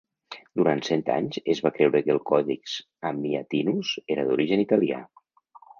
Durant cent anys es va creure que el Codex Amiatinus era d'origen italià.